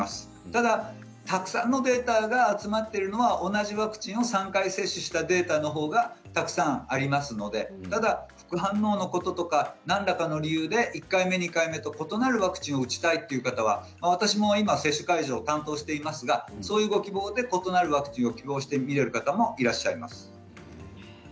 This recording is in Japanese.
ただ、たくさんのデータが集まっているのは同じワクチンを３回接種したデータのほうがたくさんありますのでただ副反応のこととか何らかの理由で１回目、２回目と異なるワクチンを打ちたいという方は私も今、接種会場を担当していますがそういう希望で異なるワクチンを希望される方がいらっしゃいます。